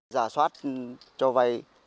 giả soát cho vay